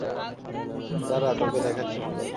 দাঁড়া, তোকে দেখাচ্ছি মজা।